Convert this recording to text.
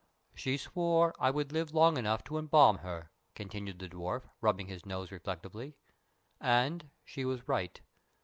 "She swore I would live long enough to embalm her," continued the dwarf, rubbing his nose reflectively; "and she was right.